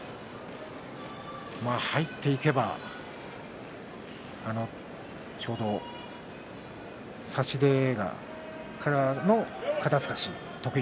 入っていけば、ちょうど差し手からの肩すかしが。